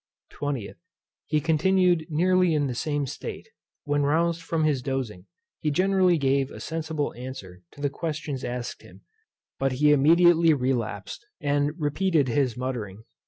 20th, He continued nearly in the same state: when roused from his dozing, he generally gave a sensible answer to the questions asked him; but he immediately relapsed, and repeated his muttering.